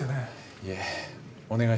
いえお願いします。